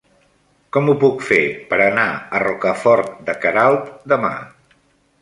Com ho puc fer per anar a Rocafort de Queralt demà?